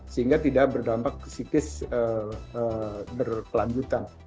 sehingga tidak berdampak psikis berkelanjutan